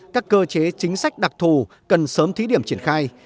các cơ chế chính sách đặc thù cần sớm thí điểm triển khai